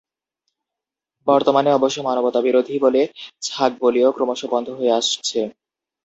বর্তমানে অবশ্য মানবতাবিরোধী বলে ছাগবলিও ক্রমশ বন্ধ হয়ে আসছে।